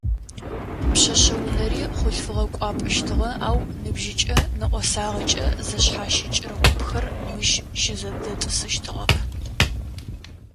Пшъэшъэ унэри хъулъфыгъэ кӏуапӏэщтыгъэ, ау ныбжьыкӏэ, нэӏосагъэкӏэ зэшъхьащыкӏрэ купхэр мыщ щызэдэтӏысхэщтыгъэп.